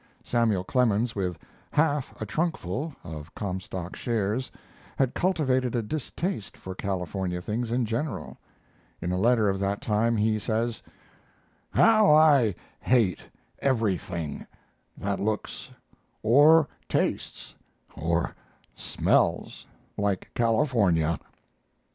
Samuel Clemens, with "half a trunkful" of Comstock shares, had cultivated a distaste for California things in general: In a letter of that time he says: "How I hate everything that looks or tastes or smells like California!"